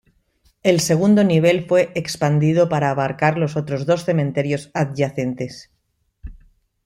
El segundo nivel fue expandido para abarcar los otros dos cementerios adyacentes.